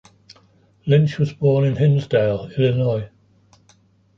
Lynch was born in Hinsdale, Illinois.